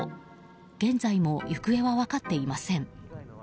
現在も行方は分かっていません。